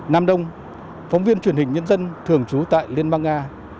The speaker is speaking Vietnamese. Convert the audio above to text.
nam đông phóng viên truyền hình nhân dân thường trú tại liên bang nga